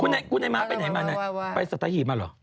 คุณแหน่งมาไปไหนไปสัตหีบมาเหรอ